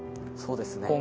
そうですね。